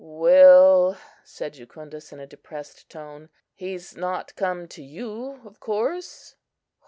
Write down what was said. "Well," said Jucundus, in a depressed tone; "he's not come to you, of course?"